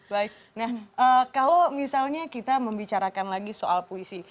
baik nah kalau misalnya kita membicarakan lagi soal puisi